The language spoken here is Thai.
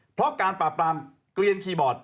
เพราะการปราบปรามเกลียนคีย์บอร์ด